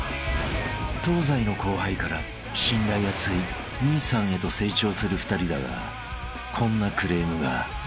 ［東西の後輩から信頼厚い兄さんへと成長する２人だがこんなクレームが］